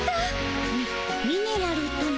ミミネラルとな？